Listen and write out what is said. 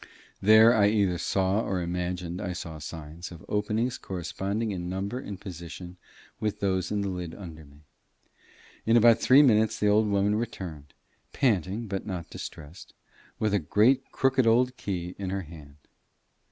There I either saw or imagined I saw signs of openings corresponding in number and position with those in the lid under me. In about three minutes the old woman returned, panting but not distressed, with a great crooked old key in her hand.